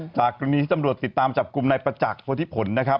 จากกรณีที่ตำรวจติดตามจับกลุ่มนายประจักษ์โพธิผลนะครับ